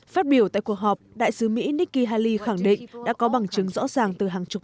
phát biểu tại cuộc họp đại sứ mỹ nikki haley khẳng định đã có bằng chứng rõ ràng từ hàng chục